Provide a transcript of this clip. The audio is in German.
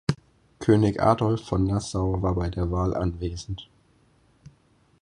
König Adolf von Nassau war bei der Wahl anwesend.